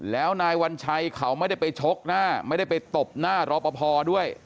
แล้วนายวัญชัยเขาไม่ได้ไปชกหน้าไม่ได้ไปตบหน้ารอปภด้วย